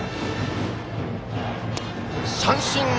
三振！